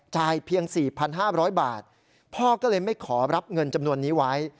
เพียง๔๕๐๐บาทพ่อก็เลยไม่ขอรับเงินจำนวนนี้ไว้